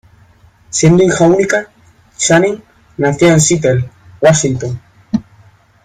Siendo hija única, Channing nació en Seattle, Washington.